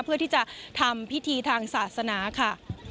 เพื่อที่จะทำพิธีทางศาสนาค่ะ